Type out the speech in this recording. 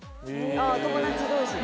ああ友達同士で？